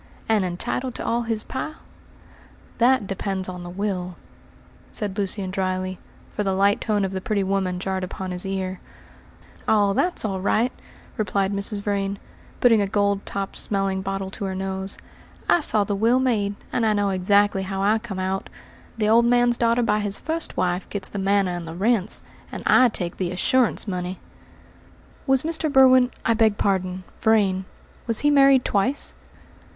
"And entitled to all his pile?" "That depends on the will," said Lucian dryly, for the light tone of the pretty woman jarred upon his ear. "Oh, that's all right," replied Mrs. Vrain, putting a gold topped smelling bottle to her nose. "I saw the will made, and know exactly how I come out. The old man's daughter by his first wife gets the manor and the rents, and I take the assurance money!" "Was Mr. Berwin I beg pardon, Vrain was he married twice?"